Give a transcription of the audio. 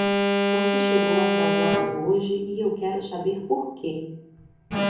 Você chegou atrasado hoje e eu quero saber por quê.